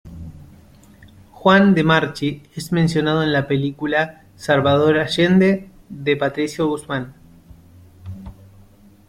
Juan De Marchi es mencionado en la película documental "Salvador Allende" de Patricio Guzmán